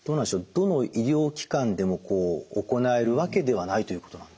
どの医療機関でも行えるわけではないということなんですか？